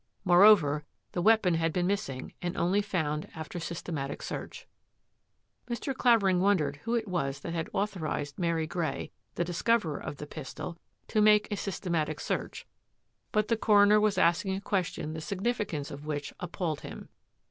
Moreover, the weapon had been missing and only found after systematic search. Mr. Clavering wondered who it was that had authorised Mary Grey, the discoverer of the pis tol, to make a systematic search, but the coroner 174 THAT AFFAIR AT THE MANOR was asking a question the significance of which ap palled him.